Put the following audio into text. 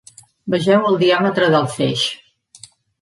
Vegeu el diàmetre del feix.